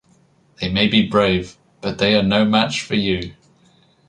They may be brave, but they are no match for you.